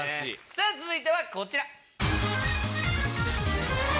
さぁ続いてはこちら。